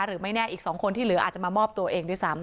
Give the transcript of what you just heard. หรือไม่แน่อีก๒คนที่เหลืออาจจะมามอบตัวเองด้วยซ้ำ